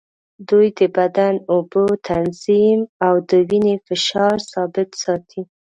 دوی د بدن اوبه تنظیم او د وینې فشار ثابت ساتي.